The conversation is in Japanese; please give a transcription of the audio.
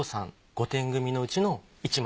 ５点組のうちの１枚。